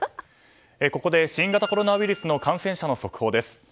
ここで新型コロナウイルスの感染者の速報です。